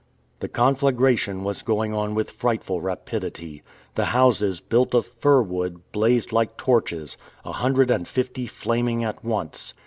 The conflagration was going on with frightful rapidity. The houses, built of fir wood, blazed like torches a hundred and fifty flaming at once.